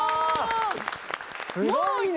すごいね！